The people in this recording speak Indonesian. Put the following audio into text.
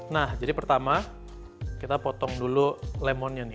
nah jadi pertama kita potong dulu lemonnya nih